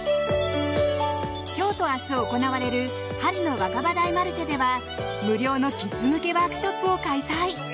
今日と明日行われる春の若葉台マルシェでは無料のキッズ向けワークショップを開催。